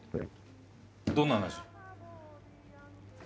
どんな話？